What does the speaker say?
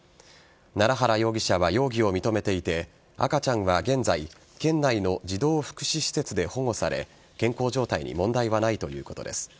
奈良原容疑者は容疑を認めていて赤ちゃんは現在県内の児童福祉施設で保護され健康状態に問題はないということです。